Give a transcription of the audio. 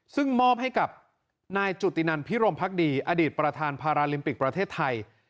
ซึ่งมอบให้กับนายจุตินันพิรมพักดีอดีตประธานพาราลิมปิกประเทศไทย